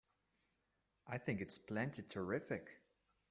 I think it's plenty terrific!